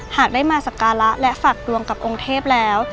หากได้มาสักการะและฝากดวงกับองค์เทพแล้ว